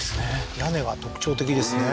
屋根が特徴的ですね